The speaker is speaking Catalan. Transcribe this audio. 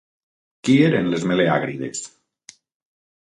Qui eren les Meleàgrides?